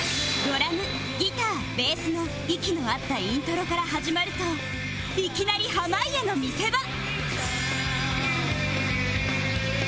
ドラムギターベースの息の合ったイントロから始まるといきなり濱家の見せ場